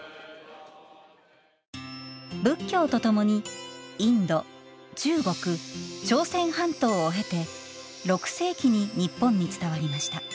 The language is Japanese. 仏教とともにインド、中国、朝鮮半島を経て６世紀に日本に伝わりました。